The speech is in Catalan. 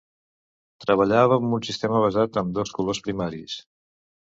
Treballava amb un sistema basat en dos colors primaris.